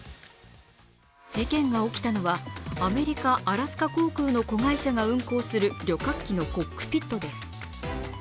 事件が起きたのはアメリカ・アラスカ航空の子会社が運航する旅客機のコックピットです。